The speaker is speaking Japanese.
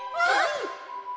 はい！